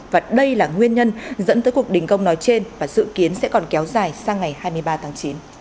và đây là nguyên nhân dẫn tới cuộc đình công nói trên và dự kiến sẽ còn kéo dài sang ngày hai mươi ba tháng chín